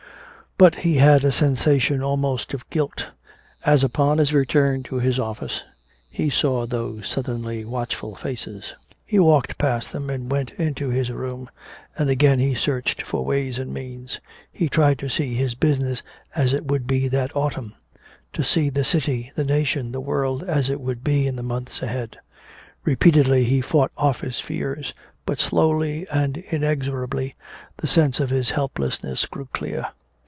But he had a sensation almost of guilt, as upon his return to his office he saw those suddenly watchful faces. He walked past them and went into his room, and again he searched for ways and means. He tried to see his business as it would be that autumn, to see the city, the nation, the world as it would be in the months ahead. Repeatedly he fought off his fears. But slowly and inexorably the sense of his helplessness grew clear.